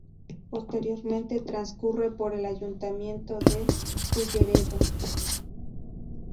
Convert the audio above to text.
Posteriormente, transcurre por el Ayuntamiento de Culleredo.